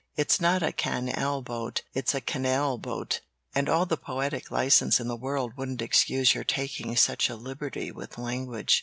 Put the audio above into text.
"It's not a can al boat; it's a can al boat, and all the poetic license in the world wouldn't excuse your taking such a liberty with language."